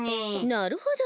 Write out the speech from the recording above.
なるほど。